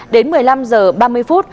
đến một mươi năm h ba mươi phút